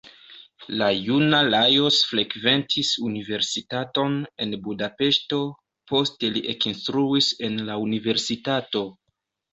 La juna Lajos frekventis universitaton en Budapeŝto, poste li ekinstruis en la universitato.